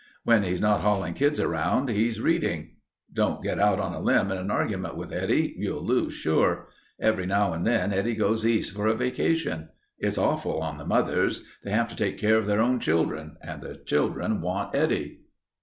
When he's not hauling kids around he's reading. Don't get out on a limb in an argument with Eddie. You'll lose sure. Every now and then Eddie goes East for a vacation. It's awful on the mothers. They have to take care of their own children and the children want Eddie."